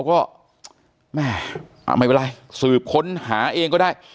ก็แม่ไม่เป็นไรสืบค้นหาเองก็ได้